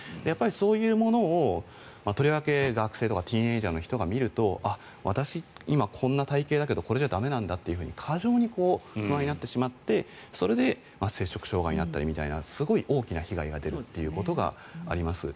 そういうものをとりわけ学生とかティーンエージャーの人が見ると私、今、こんな体形だけどこれじゃ駄目なんだって過剰に不安になってしまってそれで摂食障害になったりみたいなすごい大きな被害が出ることがあります。